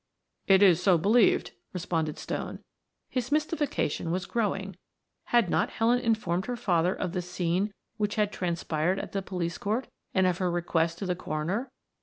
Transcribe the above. "It is so believed," responded Stone. His mystification was growing; had not Helen informed her father of the scene which had transpired at the police court, and of her request to the coroner?